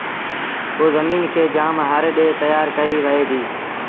پو زميݩ کي جآم هر ڏي تيآر ڪئيٚ وهي ديٚ